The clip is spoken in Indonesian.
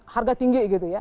harga tinggi gitu ya